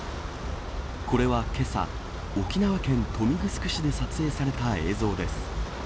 これはけさ、沖縄県豊見城市で撮影された映像です。